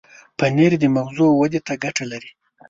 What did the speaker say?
پنېر د مغزو ودې ته ګټه لري.